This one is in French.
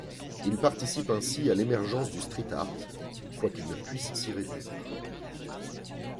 Il participe ainsi à l'émergence du Street art, quoiqu'il ne puisse s'y réduire.